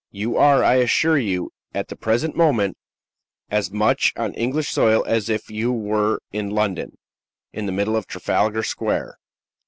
You are, I assure you, at the present moment, as much on English soil as if you were in London, in the middle of Trafalgar Square."